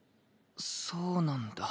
そうなんだ。